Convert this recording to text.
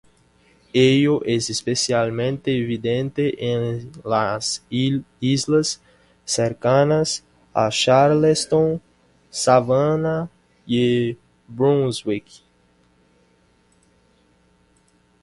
Ello es especialmente evidente en las islas cercanas a Charleston, Savannah y Brunswick.